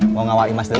mau ngawal imas dulu